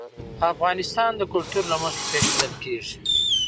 افغانستان د کلتور له مخې پېژندل کېږي.